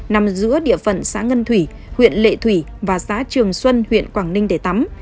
nằm giữa địa phận xã ngân thủy huyện lệ thủy và xã trường xuân huyện quảng ninh để tắm